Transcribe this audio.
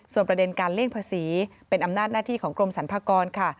ประเด็นการเลี่ยงภาษีเป็นอำนาจหน้าที่ของกรมสรรพากรค่ะ